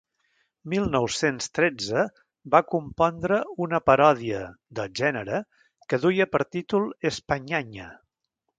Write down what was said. Mil nou-cents tretze va compondre una paròdia del gènere que duia per títol «Españaña».